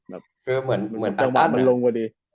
มันจังว่ามันลงกว่าดี